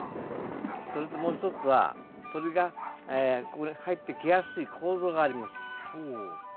それともう一つは鳥がここに入ってきやすい構造があります。